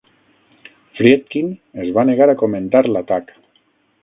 Friedkin es va negar a comentar l'atac.